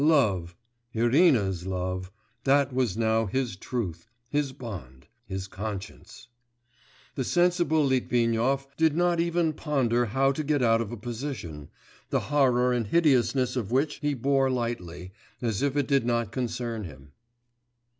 Love, Irina's love, that was now his truth, his bond, his conscience.... The sensible Litvinov did not even ponder how to get out of a position, the horror and hideousness of which he bore lightly, as if it did not concern him.